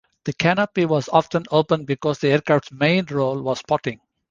The canopy was often open because the aircraft's main role was spotting.